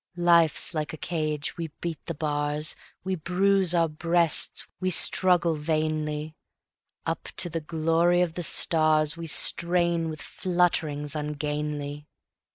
Life's like a cage; we beat the bars, We bruise our breasts, we struggle vainly; Up to the glory of the stars We strain with flutterings ungainly.